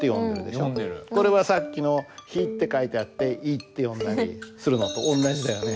これはさっきの「ひ」って書いてあって「い」って読んだりするのと同じだよね。